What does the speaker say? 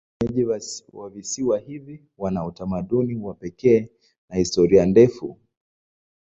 Wenyeji wa visiwa hivi wana utamaduni wa pekee na historia ndefu.